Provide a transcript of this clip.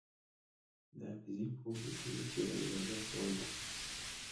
د فزیک خوب د ټولو تیوريو یوځای کول دي.